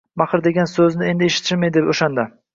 Mahr degan soʻzni endi eshitishim edi oʻshanda.